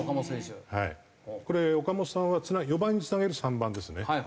これ岡本さんは４番につなげる３番ですね。